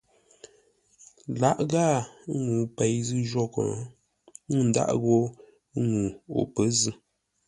Lǎʼ ghâa ŋuu pei zʉ́ jwôghʼ, n dághʼ ghó ŋuu o pə̌ zʉ́.